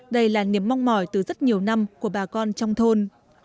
đây là niềm mong mỏi từ rất nhiều năm của bà con trong thôn